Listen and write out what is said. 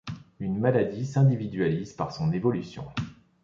Une maladie s’individualise par son évolution.